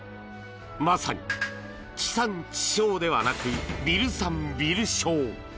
まさに、地産地消ではなくビル産ビル消。